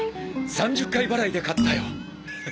３０回払いで買ったよ。